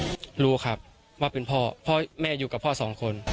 รู้ครับว่าเป็นพ่อพ่อแม่อยู่กับพ่อสองคน